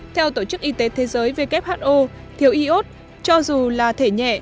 theo tổ chức y tế thế giới who thiếu y ốt cho dù là thể nhẹ